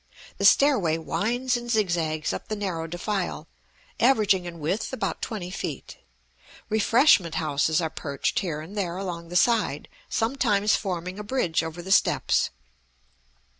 The stairway winds and zigzags up the narrow defile, averaging in width about twenty feet. Refreshment houses are perched here and there along the side, sometimes forming a bridge over the steps.